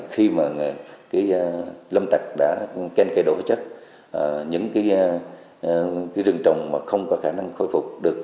khi mà lâm tạc đã khen cây đổ chất những rừng trồng không có khả năng khôi phục được